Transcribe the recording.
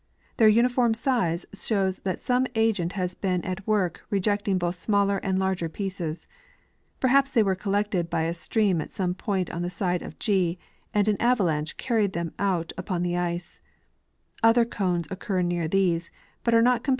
Their uniform size shoAVS that some agent has been at Avork rejecting both smaller and larger pieces. Per haps they were collected by a stream at some point on the side of G and an avalanche carried them out upon the ice.